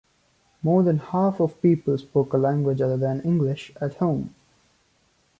More than half of people spoke a language other than English at home.